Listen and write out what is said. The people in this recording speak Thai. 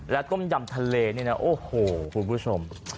ต้มยำทะเลนี่นะโอ้โหคุณผู้ชม